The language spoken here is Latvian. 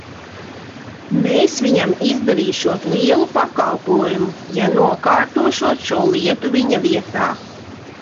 Mēs viņam izdarīšot lielu pakalpojumu, ja nokārtošot šo lietu viņa vietā.